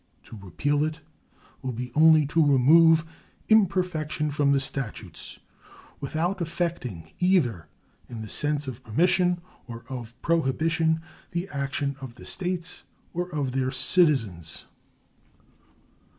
To repeal it will be only to remove imperfection from the statutes, without affecting, either in the sense of permission, or of prohibition, the action of the States or of their citizens.